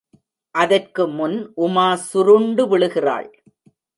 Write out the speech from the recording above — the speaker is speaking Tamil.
அதற்கு முன் உமா சுருண்டு விழுகிறாள்.